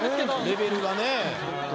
レベルがね。